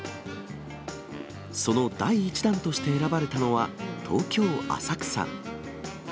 その第１弾として選ばれたのは、東京・浅草。